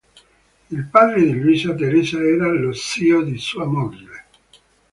Il padre di Luisa Teresa era lo zio di sua moglie.